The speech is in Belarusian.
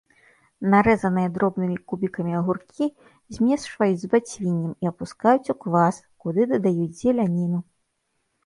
Нарэзаныя дробнымі кубікамі агуркі змешваюць з бацвіннем і апускаюць у квас, куды дадаюць зеляніну.